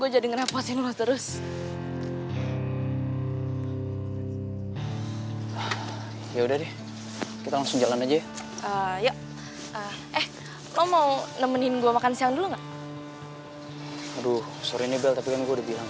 jangan pernah macem macem sama black cobra